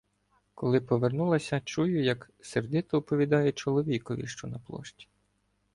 Коли повернулася, чую, як сердито оповідає чоловікові, що на площі